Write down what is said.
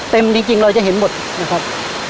เต็มจริงจริงเราจะเห็นหมดนะครับ